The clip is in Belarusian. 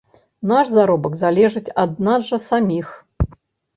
Наш заробак залежыць ад нас жа саміх.